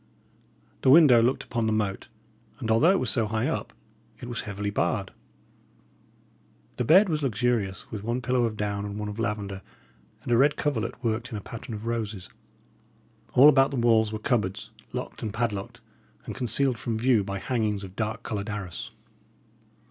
The window looked upon the moat, and although it was so high up, it was heavily barred. The bed was luxurious, with one pillow of down and one of lavender, and a red coverlet worked in a pattern of roses. All about the walls were cupboards, locked and padlocked, and concealed from view by hangings of dark coloured arras.